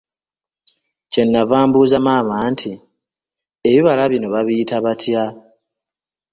Kye nnava mbuuza maama nti, ebibala bino babiyita batya?